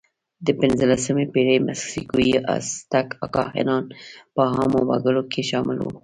د پینځلسمې پېړۍ مکسیکويي آزتک کاهنان په عامو وګړو کې شامل وو.